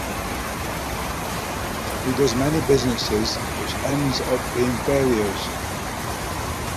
He does many businesses which ends up being failures.